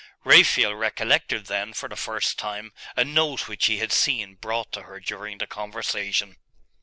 Raphael recollected then, for the first time, a note which he had seen brought to her during the conversation.